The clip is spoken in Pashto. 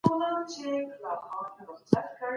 چارواکو به د رایې ورکولو حق تضمین کړی وي.